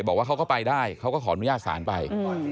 บอกว่าเขาก็ไปได้เขาก็ขออนุญาตศาลไป